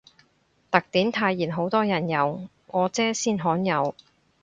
特典泰妍好多人有，我姐先罕有